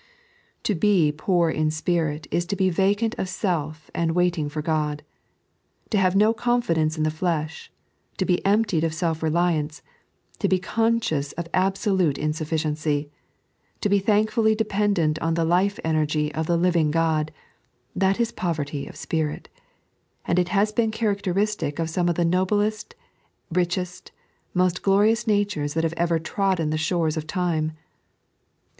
To be poor in spirit is to be vacant of self and waiting for God. To have no confidence in the flesh ; to be emptied of self reliance ; to be conscious of absolute insufficiency ; to be thankfully dependent on the life enei^ of the living dod— that is poverty of spirit ; and it has been charac teristic of some of the noblest, richest, most glorious natures that have ever trodden the shores of Time.